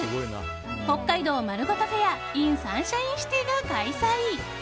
北海道まるごとフェアｉｎサンシャインシティが開催！